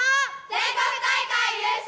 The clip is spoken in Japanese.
全国大会優勝！